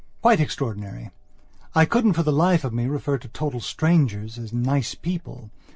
Quite extraordinary. I couldn't for the life of me refer to total strangers as nice people.